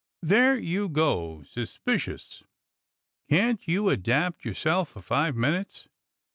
"There you go — suspicious. Can't you adapt your self for five minutes?